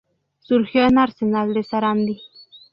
Surgió en Arsenal de Sarandí.